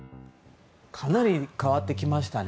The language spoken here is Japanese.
かなり変わってきましたね。